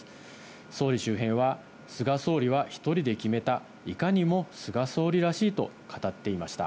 総理周辺は、菅総理は１人で決めた、いかにも菅総理らしいと語っていました。